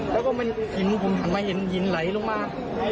แล้วก็มันหินผมหันมาเห็นหินไหลลงมา